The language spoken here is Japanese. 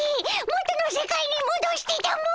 元の世界にもどしてたも！